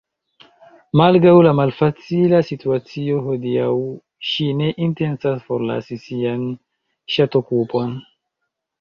Malgraŭ la malfacila situacio hodiaŭ ŝi ne intencas forlasi sian ŝatokupon.